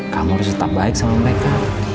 kamu harus tetap baik sama mereka